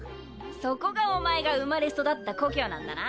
そこがおまえが生まれ育った故郷なんだな。